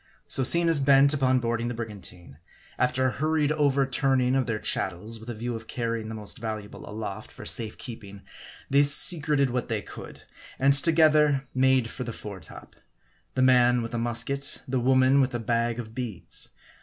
So seeing us bent upon boarding the brigantine ; after a hurried over turning of their chattels, with a view of carrying the most valuable aloft for safe keeping, they secreted what they could ; and together made for the fore top ; the man with a musket, the woman with a bag of beads.